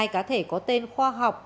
hai cá thể có tên khoa học